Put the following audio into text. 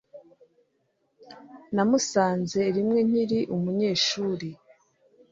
Namusanze rimwe nkiri umunyeshuri